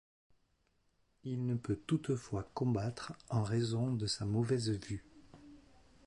Il ne peut toutefois combattre en raison de sa mauvaise vue.